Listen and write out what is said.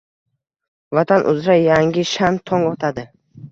Vatan uzra yangi, shan tong otadi.